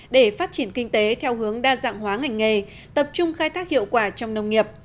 để phát triển kinh tế theo hướng đa dạng hóa ngành nghề tập trung khai thác hiệu quả trong nông nghiệp